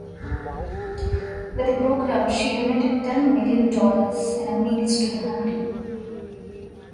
With the program, she donated ten million dollars in meals to the hungry.